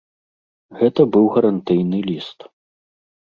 Гэта быў гарантыйны ліст.